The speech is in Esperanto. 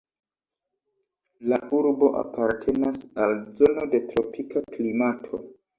La urbo apartenas al zono de tropika klimato.